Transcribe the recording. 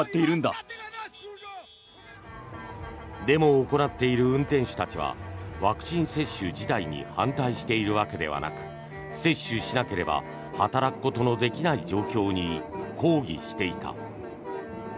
デモを行っている運転手たちはワクチン接種自体に反対しているわけではなく接種しなければ働くことのできない状況に抗議していた。